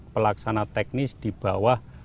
pelaksana teknis di bawah